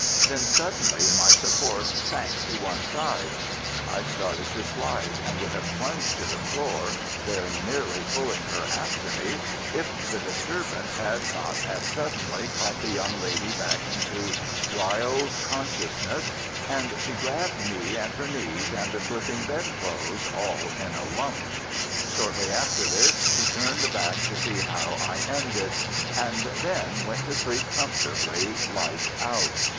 Then suddenly my support sank to one side; I started to slide, and would have plunged to the floor, very nearly pulling her after me, if the disturbance had not as suddenly caught the young lady back into wild consciousness, and she grabbed me and her knees and the slipping bedclothes all in a lump. Shortly after this she turned back to see how I ended, and then went to sleep comfortably, lights out.